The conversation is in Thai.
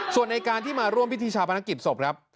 ส่วนในการที่มาร่วมพิธีชาพนักกิจศพครับ